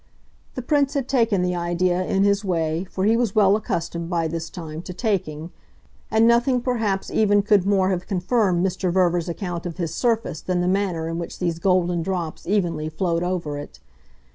The Prince had taken the idea, in his way, for he was well accustomed, by this time, to taking; and nothing perhaps even could more have confirmed Mr. Verver's account of his surface than the manner in which these golden drops evenly flowed over it.